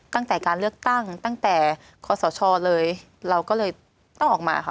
ตั้งแต่การเลือกตั้งตั้งแต่คศเลยเราก็เลยต้องออกมาค่ะ